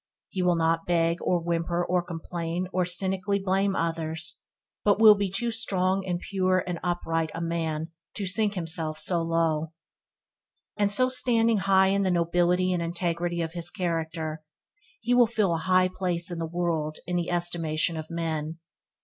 He will not beg, or whimper, or complain, or cynically blame others, but will be too strong and pure and upright a man to sink himself so low. And so standing high in the nobility and integrity of his character, he will fill a high place in the world and in the estimation of men.